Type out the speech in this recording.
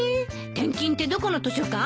転勤ってどこの図書館？